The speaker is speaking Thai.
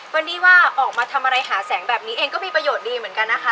วันนี้ว่าออกมาทำอะไรหาแสงแบบนี้เองก็มีประโยชน์ดีเหมือนกันนะคะ